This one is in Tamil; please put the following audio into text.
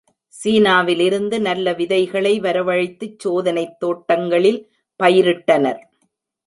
சீனாவிலிருந்து நல்ல விதைகளை வரவழைத்துச் சோதனைத் தோட்டங்களில் பயிரிட்டனர்.